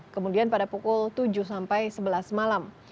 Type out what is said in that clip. kemudian pada pukul tujuh sampai sebelas malam